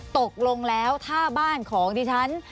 ตกลงแล้วถ้าบ้านของดิฉัน